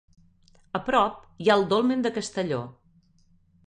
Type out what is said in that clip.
A prop hi ha el Dolmen de Castelló.